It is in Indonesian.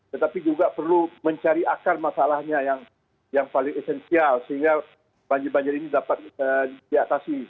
tetapi juga perlu mencari akar masalahnya yang paling esensial sehingga banjir banjir ini dapat diatasi